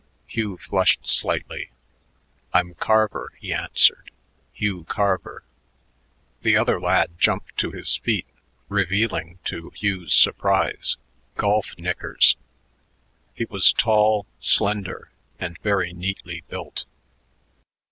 Hugh flushed slightly. "I'm Carver," he answered, "Hugh Carver." The other lad jumped to his feet, revealing, to Hugh's surprise, golf knickers. He was tall, slender, and very neatly built.